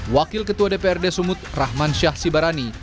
wakil ketua dprd sumut rahman syah sibarani